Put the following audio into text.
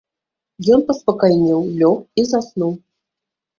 Ён паспакайнеў, лёг і заснуў.